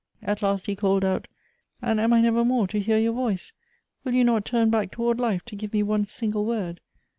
At last he called out :" And am I never more to hear your voice ? Will you not turn back toward life, to give me one single word